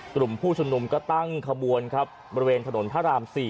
กลุ่มผู้ชุมนุมก็ตั้งขบวนครับบริเวณถนนพระราม๔